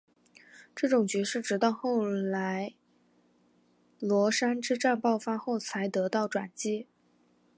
这种局势直到后来稷山之战爆发后才得到转机。